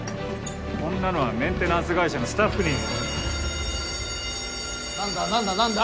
こんなのはメンテナンス会社のスタッフに何だ何だ何だ？